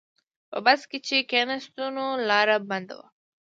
په بس کې چې کیناستو نو لاره بنده وه.